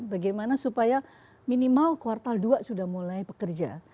bagaimana supaya minimal kuartal dua sudah mulai pekerja